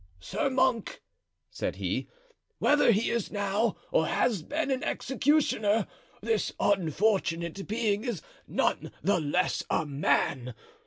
"Sir monk," said he, "whether he is now or has been an executioner, this unfortunate being is none the less a man.